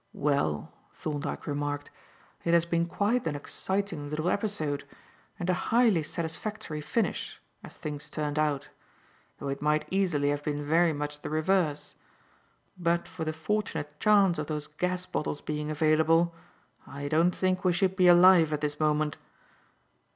"Well," Thorndyke remarked, "it has been quite an exciting little episode. And a highly satisfactory finish, as things turned out; though it might easily have been very much the reverse. But for the fortunate chance of those gas bottles being available, I don't think we should be alive at this moment."